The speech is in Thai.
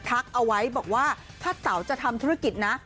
เอาไว้บอกว่าถ้าเต๋าจะทำธุรกิจนะ